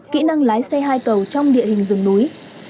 kỹ năng lái xe hai cầu trong địa hình rừng núi